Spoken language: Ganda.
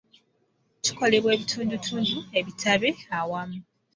kikolebwa ebitundutundu ebitabe awamu